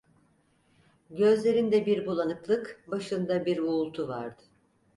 Gözlerinde bir bulanıklık, başında bir uğultu vardı.